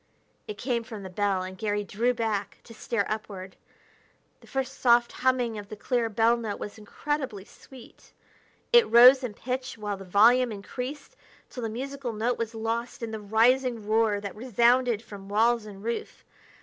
It came from the bell, and Garry drew back to stare upward. The first soft humming of the clear bell note was incredibly sweet. It rose in pitch while the volume increased, till the musical note was lost in the rising roar that resounded from walls and roof.